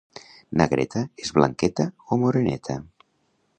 Na Greta és blanqueta o moreneta?